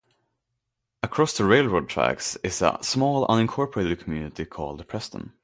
Across the railroad tracks is a small unincorporated community called Preston.